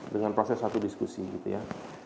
dengan proses satu diskusi gitu ya